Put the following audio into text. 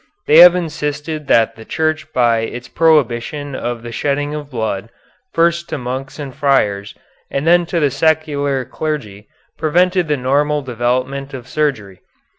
They have insisted that the Church by its prohibition of the shedding of blood, first to monks and friars, and then to the secular clergy, prevented the normal development of surgery.